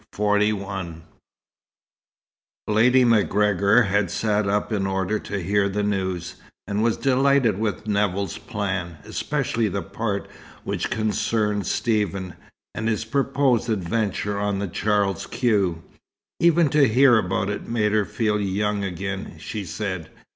XLI Lady MacGregor had sat up in order to hear the news, and was delighted with Nevill's plan, especially the part which concerned Stephen, and his proposed adventure on the Charles Quex. Even to hear about it, made her feel young again, she said.